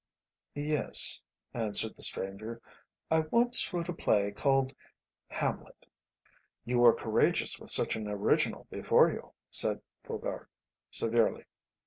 "Yes," answered the stranger, "I once wrote a play called 'Hamlet.'" "You were courageous with such an original before you," said Faubourg, severely.